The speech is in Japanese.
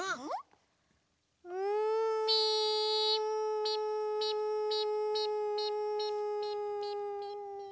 ミンミンミンミンミンミンミンミンミン。